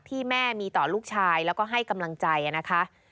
ที่แม่มีต่อลูกชายแล้วก็ให้กำลังใจนะคะ